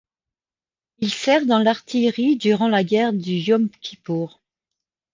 Il sert dans l'artillerie durant la guerre du Yom Kippur.